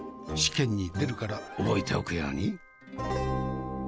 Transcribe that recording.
試験に出るから覚えておくように。